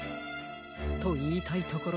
といいたいところですが。